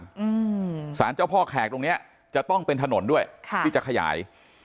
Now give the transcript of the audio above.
จังหวัดสาหรับสารเจ้าพ่อแขกตรงนี้จะต้องเป็นถนนด้วยที่จะขยาย